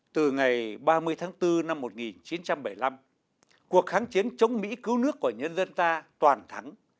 từ ngày ba mươi tháng bốn năm một nghìn chín trăm bảy mươi năm cuộc kháng chiến chống mỹ cứu nước của nhân dân ta toàn thắng